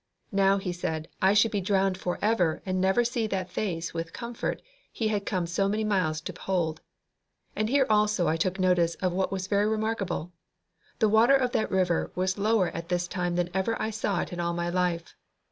Now, he said, he should be drowned for ever and never see that Face with comfort he had come so many miles to behold. And here also I took notice of what was very remarkable; the water of that river was lower at this time than ever I saw it in all my life.